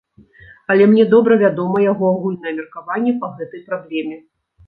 Але мне добра вядома яго агульнае меркаванне па гэтай праблеме.